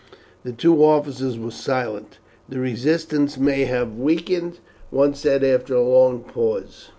The two officers were silent. "The resistance may weaken," one said after a long pause.